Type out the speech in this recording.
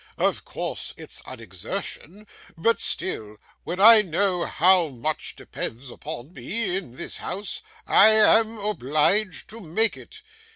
Of course it's an exertion, but still, when I know how much depends upon me in this house, I am obliged to make it.